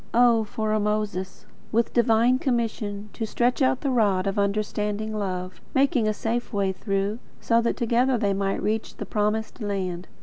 O for a Moses, with divine commission, to stretch out the rod of understanding love, making a safe way through; so that together they might reach the Promised Land!